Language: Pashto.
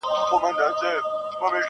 نجلۍ ګلسوم له درد سره مخ,